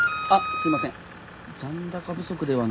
すいません。